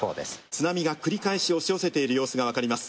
津波が繰り返し押し寄せている様子が分かります。